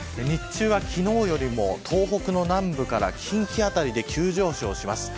日中は昨日より東北の南部から近畿辺りで急上昇します。